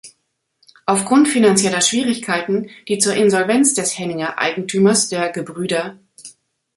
Aufgrund finanzieller Schwierigkeiten, die zur Insolvenz des Henninger-Eigentümers, der "Gebr.